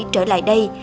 trở lại đây